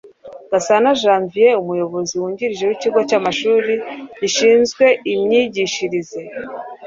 Gasana Janvier umuyobozi wungirije mu kigo cy’amashuri gishinzwe imyigishirize